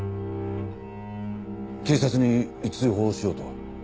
警察に通報しようとは？